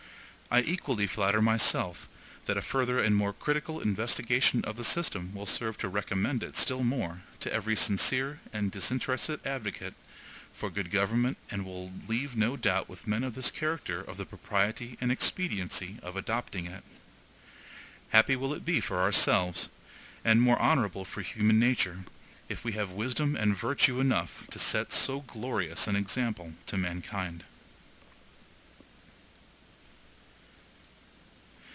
I equally flatter myself that a further and more critical investigation of the system will serve to recommend it still more to every sincere and disinterested advocate for good government and will leave no doubt with men of this character of the propriety and expediency of adopting it. Happy will it be for ourselves, and more honorable for human nature, if we have wisdom and virtue enough to set so glorious an example to mankind!)